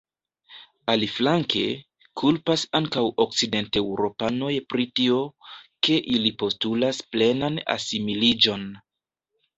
Aliflanke, kulpas ankaŭ okcidenteŭropanoj pri tio, ke ili postulas plenan asimiliĝon.